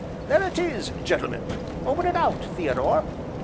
There it is, gentlemen, open it out, Theodore!